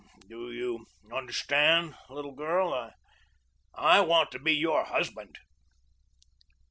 Do you understand, little girl? I want to be your husband."